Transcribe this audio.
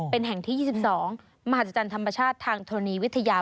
เป็นแห่งที่๒๒มหัศจรรย์ธรรมชาติทางธรณีวิทยา